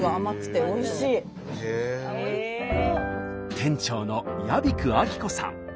店長の屋比久亜紀子さん。